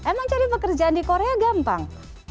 emang cari pekerjaan di korea gampang